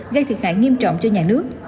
gây thiệt hại nghiêm trọng cho nhà nước